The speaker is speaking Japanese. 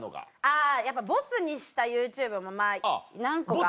あやっぱボツにしたＹｏｕＴｕｂｅもまぁ何個かあって。